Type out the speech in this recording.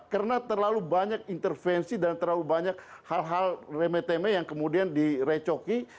karena terlalu banyak intervensi dan terlalu banyak hal hal reme teme yang kemudian direcoki